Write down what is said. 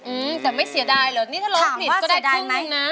อืมแต่ไม่เสียดายเหรอนี่ถ้าร้องผิดก็ได้ครึ่งนึงนะ